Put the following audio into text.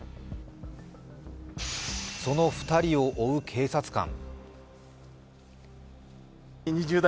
その２人を追う警察官。